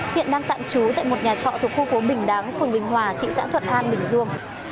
hiện đang tạm trú tại một nhà trọ thuộc khu phố bình đáng phường bình hòa thị xã thuận an bình dương